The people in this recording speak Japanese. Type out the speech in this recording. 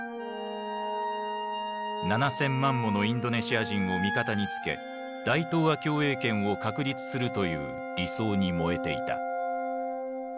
７，０００万ものインドネシア人を味方につけ大東亜共栄圏を確立するという理想に燃えていた。